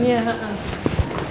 iya mbak anden